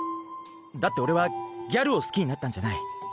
だっておれはギャルをすきになったんじゃない。